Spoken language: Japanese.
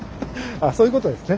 あっそういうことですね。